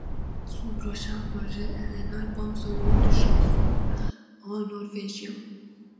Son prochain projet est un album solo de chansons en norvégien.